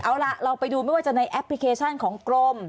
เอาล่ะเราไปดูไม่ว่าจะในแอปพลิเคชันของกรม